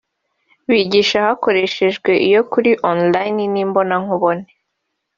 Bigisha hakoreshejwe iya kure (online) n’imbonankubone